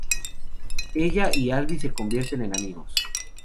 Ella y Alby se convierten en amigos.